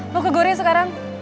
lo kegoreng sekarang